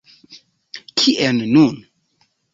Kien nun.